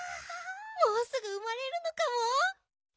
もうすぐ生まれるのかも。